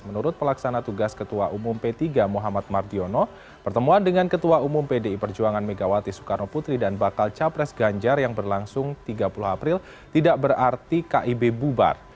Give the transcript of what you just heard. menurut pelaksana tugas ketua umum p tiga muhammad mardiono pertemuan dengan ketua umum pdi perjuangan megawati soekarno putri dan bakal capres ganjar yang berlangsung tiga puluh april tidak berarti kib bubar